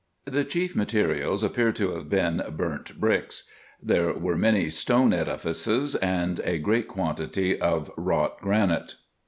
The chief materials appear to have been burnt bricks. There were many stone edifices, and a great quantity of wrought granite.